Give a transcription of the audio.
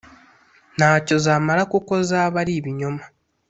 ntacyo zamara kuko zaba ari ibinyoma